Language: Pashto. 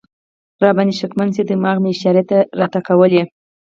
را باندې شکمن شي، دماغ مې اشارې راته کولې.